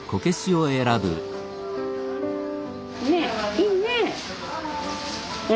ねえいいねえ。